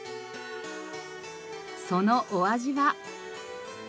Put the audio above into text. そのお味は。